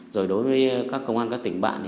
rồi đối với các công an các tỉnh bạn